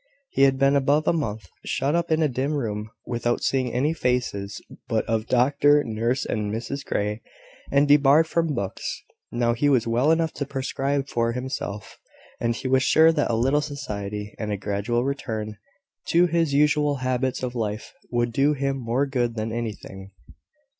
He had been above a month shut up in a dim room, without seeing any faces but of doctor, nurse, and Mrs Grey, and debarred from books; now he was well enough to prescribe for himself; and he was sure that a little society, and a gradual return to his usual habits of life, would do him more good than anything.